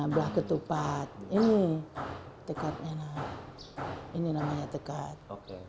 belah ketupat ini tekatnya ini namanya tekat